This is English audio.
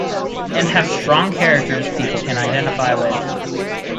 And have strong characters people can identify with.